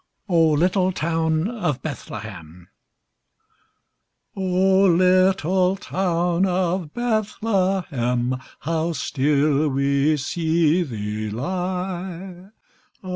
O LITTLE TOWN OF BETHLEHEM O little town of Bethlehem, How still we see thee lie!